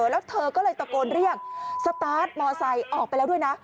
แล้วเธอก็เลยตะโกนเรียกสตาร์ทมอไซค์ออกไปแล้วด้วยนะ